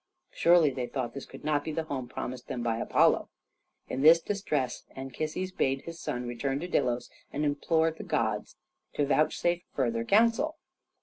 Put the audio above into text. Surely, they thought, this could not be the home promised them by Apollo. In this distress Anchises bade his son return to Delos and implore the gods to vouchsafe further counsel.